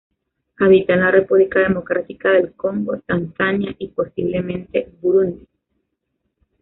Habita en República Democrática del Congo, Tanzania y posiblemente Burundi.